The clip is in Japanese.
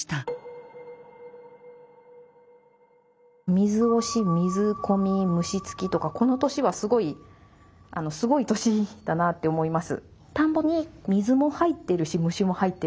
「水押し水込み虫付き」とかこの年はすごいすごい年だなって思います。